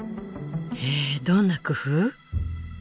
へえどんな工夫？